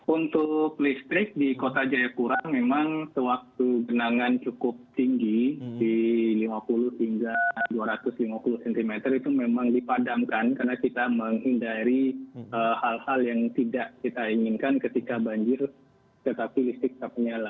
untuk listrik di kota jayapura memang sewaktu genangan cukup tinggi di lima puluh hingga dua ratus lima puluh cm itu memang dipadamkan karena kita menghindari hal hal yang tidak kita inginkan ketika banjir tetapi listrik tetap menyala